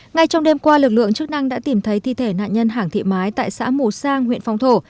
ngay trong đêm qua lực lượng chức năng đã tìm thấy thi thể nạn nhân hẳng thị mái tại xã mù sang huyện phong thổ